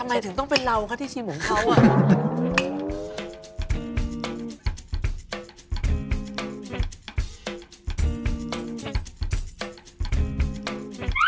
ทำไมถึงต้องเป็นเราคะที่ชิมของเขาอ่ะ